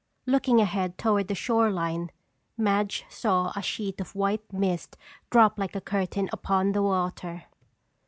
Looking ahead toward the shoreline, Madge saw a sheet of white mist drop like a curtain upon the water.